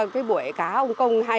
cái buổi cá ông công